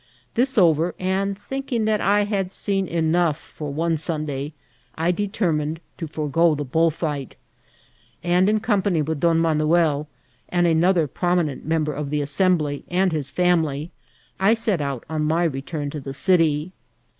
This over, and thinking that I had seen enough for one Sunday, I de termined to forego the bullfight ; and in company with Don Manuel and another prominent member of the As sembly, and his family, I set out on my return to the city.